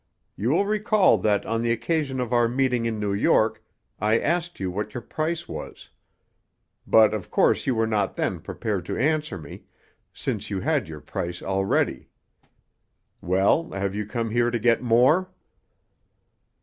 You will recall that on the occasion of our meeting in New York I asked you what your price was. But of course you were not then prepared to answer me, since you had your price already. Well, have you come here to get more?"